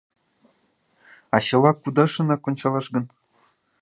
А чыла кудашынак ончалаш гын?